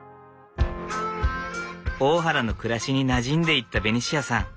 大原の暮らしになじんでいったベニシアさん。